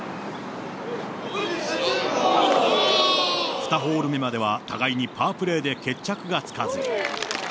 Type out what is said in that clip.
２ホール目までは互いにパープレーで決着がつかず。